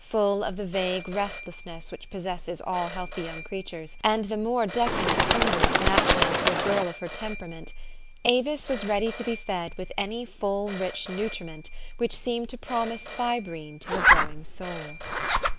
Full of the vague restlessness which possesses all healthy young creatures, and the more definite hun gers natural to a girl of her temperament, Avis was ready to be fed with any full, rich nutriment which seemed to promise fibrine to a growing soul.